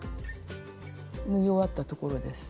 縫い終わったところです。